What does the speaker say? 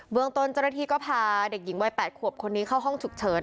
ตนเจ้าหน้าที่ก็พาเด็กหญิงวัย๘ขวบคนนี้เข้าห้องฉุกเฉิน